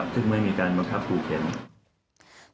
ซึ่งไม่มีการบังคับขู่เข็น